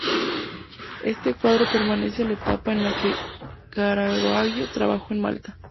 Este cuadro pertenece a la etapa en la que Caravaggio trabajó en Malta.